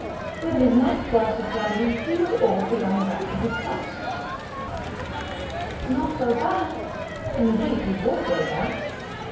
With his next glass of brandy he was all for going back to his flat. Not go back? Indeed, he would go back!